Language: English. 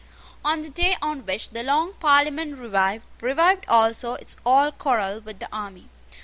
On the day on which the long Parliament revived, revived also its old quarrel with the army.